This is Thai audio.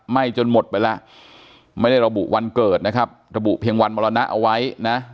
จนหมดไปแล้วไม่ได้ระบุวันเกิดนะครับระบุเพียงวันมรณะเอาไว้นะ